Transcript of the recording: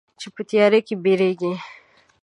چې په تیاره کې بیریږې